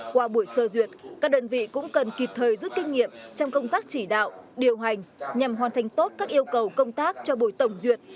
qua buổi sơ duyệt các đơn vị cũng cần kịp thời rút kinh nghiệm trong công tác chỉ đạo điều hành nhằm hoàn thành tốt các yêu cầu công tác cho buổi tổng duyệt